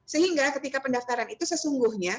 sehingga ketika pendaftaran itu sesungguhnya